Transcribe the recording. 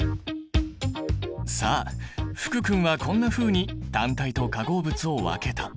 さあ福君はこんなふうに単体と化合物を分けた。